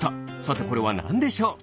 さてこれはなんでしょう？